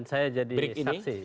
saya jadi saksi